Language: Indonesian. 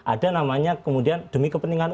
ada namanya kemudian demi kepentingan